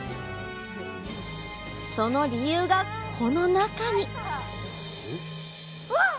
その理由がこの中にうわっ！